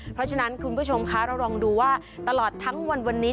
เพราะฉะนั้นคุณผู้ชมคะเราลองดูว่าตลอดทั้งวันวันนี้